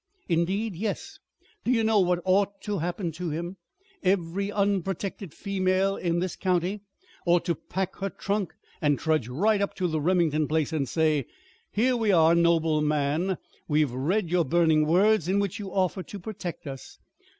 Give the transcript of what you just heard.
"Indeed, yes! Do you know what ought to happen to him? Every unprotected female in this county ought to pack her trunk and trudge right up to the Remington place and say, 'Here we are, noble man! We have read your burning words in which you offer to protect us.